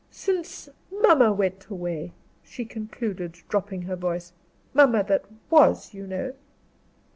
since mamma went away," she concluded, dropping her voice. "Mamma that was, you know."